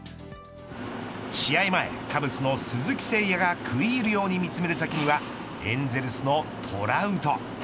試合前、カブスの鈴木誠也が食い入るように見つめる先にはエンゼルスのトラウト。